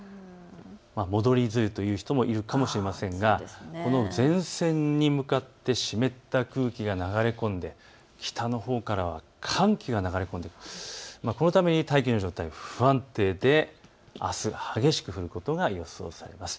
戻り梅雨という人もいるかもしれませんがこの前線に向かって湿った空気が流れ込んで北のほうからは寒気が流れ込む、このために大気の状態は不安定であす激しく降ることが予想されます。